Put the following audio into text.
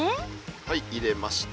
はい入れました。